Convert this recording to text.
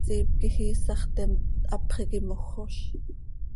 Siip quij iisax theemt, hapx iiqui mojoz.